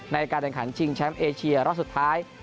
ในการแข่งขันชิงแชมป์เอเชียรอบสุดท้าย